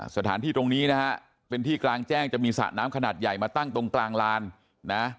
สถานที่ตรงนี้นะฮะเป็นที่กลางแจ้งจะมีสระน้ำขนาดใหญ่มาตั้งตรงกลางลานนะ